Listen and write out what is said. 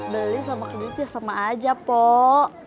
beli sama krimnya sama aja pak